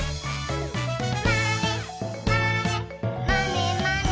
「まねまねまねまね」